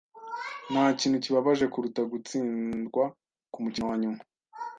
Ntakintu kibabaje kuruta gutsindwa kumukino wanyuma.